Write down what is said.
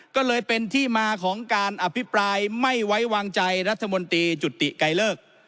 ก็เลยเป็นที่มาของการอภิปรายไม่ไว้วางใจรัฐมนตรีจุติไกลเลิก